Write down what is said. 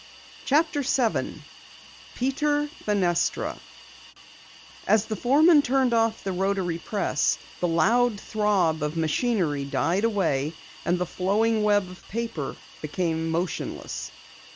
CHAPTER 7 PETER FENESTRA As the foreman turned off the rotarypress, the loud throb of machinery died away and the flowing web of paper became motionless.